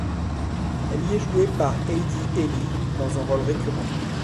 Elle y est jouée par Heidi Ely, dans un rôle récurrent.